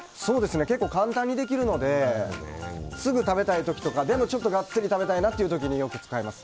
結構簡単にできるのですぐ食べたい時とかでも、ちょっとガッツリ食べたいときには作ります。